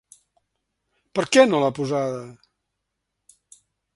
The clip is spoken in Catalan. Per què no l’ha posada?